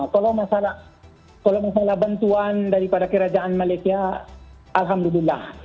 kalau masalah bantuan daripada kerajaan malaysia alhamdulillah